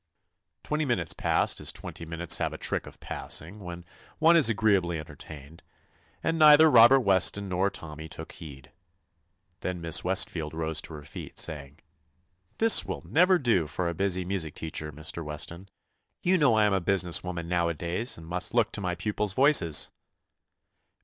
Twenty minutes passed as twenty minutes have a trick of passing when one is agreeably entertained, and neither Robert Weston nor Tommy took heed. Then Miss Westfield rose to her feet, saying : "This will never do for a busy music teacher, Mr. Weston. You know I am a business woman nowa days, and must look to my pupils* voices."